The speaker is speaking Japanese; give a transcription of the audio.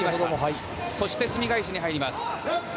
そしてすみ返しに入ります。